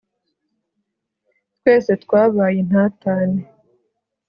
twese twabayintatane